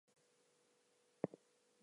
We built on top of this.